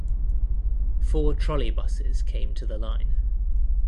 Four trolleybuses came to the line.